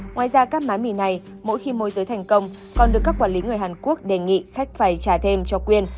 ngoài ra các mái mì này mỗi khi môi giới thành công còn được các quản lý người hàn quốc đề nghị khách phải trả thêm cho quyên